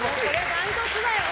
断トツだよ。